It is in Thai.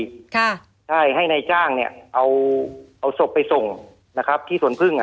ค่ะใช่ให้นายจ้างเนี้ยเอาเอาศพไปส่งนะครับที่สวนพึ่งอ่ะ